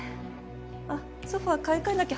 あっソファ買い替えなきゃ。